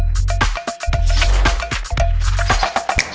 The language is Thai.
ทางนี้เลย